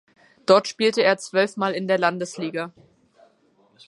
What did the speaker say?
Dort spielte er zwölfmal in der Landesliga.